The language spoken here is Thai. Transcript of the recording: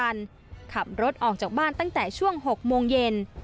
ให้เค้าขับรถออกจากบ้านตั้งแต่ช่วง๑๘ชั่วโมงเย็น